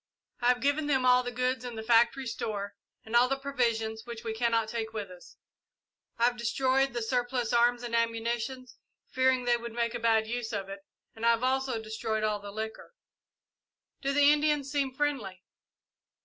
I have given them all the goods in the factory store, and all the provisions which we cannot take with us. I have destroyed the surplus arms and ammunition, fearing they would make a bad use of it, and I have also destroyed all the liquor." "Do the Indians seem friendly?"